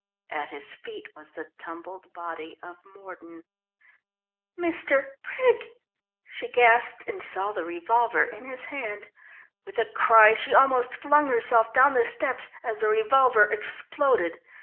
At his feet was the tumbled body of Mordon. "Mr. Brig...!" she gasped, and saw the revolver in his hand. With a cry she almost flung herself down the steps as the revolver exploded.